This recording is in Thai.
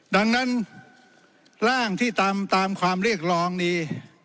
ดังนั้นร่างที่ตามความเรียกร้องนี้